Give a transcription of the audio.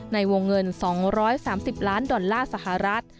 ในวงเงิน๒๓๐ล้านดอลลาร์สหรัฐ